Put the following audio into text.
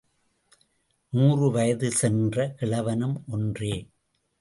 நூறு வயது சென்ற கிழவனும் ஒன்றே.